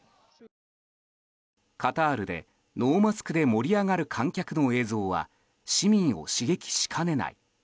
カタールでノーマスクで盛り上がる観客の映像は市民を刺激しかねない。